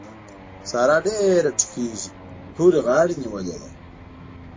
سارا ډېره ټوخېږي؛ تورې غاړې نيولې ده.